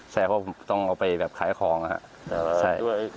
ใช่เพราะผมต้องเอาไปแบบขายของนะครับ